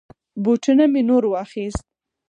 بوټونه می نور واخيست.